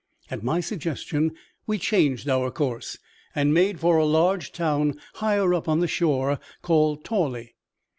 At my suggestion we changed our course, and made for a large town, higher up on the shore, called Tawley.